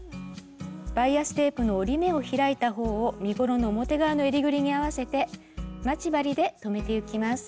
バイアステープの折り目を開いた方を身ごろの表側の襟ぐりに合わせて待ち針で留めてゆきます。